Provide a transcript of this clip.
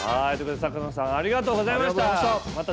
佐久間さんありがとうございました。